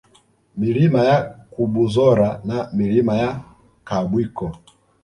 Milima ya Kabuzora na Milima ya Kabwiko